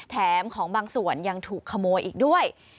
แถมของบางส่วนยังถูกขโมยอีกด้วย